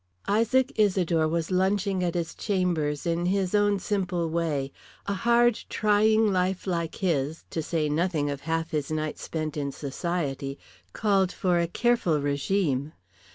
Isaac Isidore was lunching at his chambers in his own simple way. A hard trying life like his, to say nothing of half his nights spent in society, called for a careful regime.